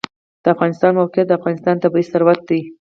د افغانستان موقعیت د افغانستان طبعي ثروت دی.